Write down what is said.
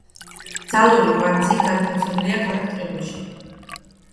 ძალური კვანძი განთავსებულია ქალაქ ტყიბულში.